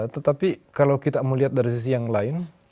tetapi kalau kita mau lihat dari sisi yang lain